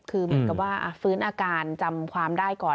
คือเหมือนกับว่าฟื้นอาการจำความได้ก่อน